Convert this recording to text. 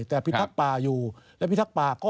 แต่พิทักษ์ป่าอยู่และพิทักษ์ป่าก็